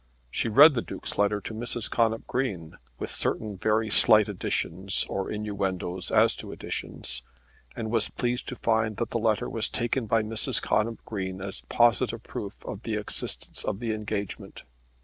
She read the Duke's letter to Mrs. Connop Green, with certain very slight additions, or innuendos as to additions, and was pleased to find that the letter was taken by Mrs. Connop Green as positive proof of the existence of the engagement.